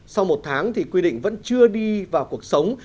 sau một tháng thì quy định vẫn chưa đi vào cuộc sống